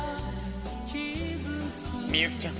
「みゆきちゃん」。